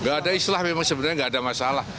nggak ada islah memang sebenarnya nggak ada masalah